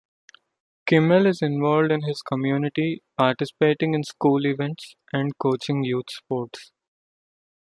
Kimmel is involved in his community, participating in school events and coaching youth sports.